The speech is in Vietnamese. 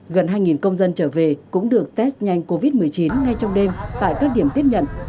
gần hai công dân trở về cũng được test nhanh covid một mươi chín ngay trong đêm tại các điểm tiếp nhận